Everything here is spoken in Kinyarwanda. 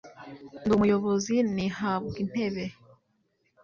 Ndi umuyobozi ntihabwa intebe